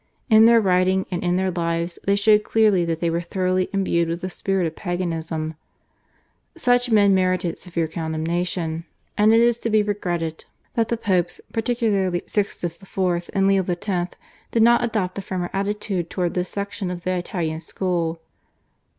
In their writings and in their lives they showed clearly that they were thoroughly imbued with the spirit of Paganism. Such men merited severe condemnation, and it is to be regretted that the Popes, particularly Sixtus IV. and Leo X., did not adopt a firmer attitude towards this section of the Italian school.